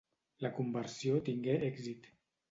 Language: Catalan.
La conversió tingué èxit.